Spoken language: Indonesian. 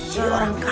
tuh si orang kaya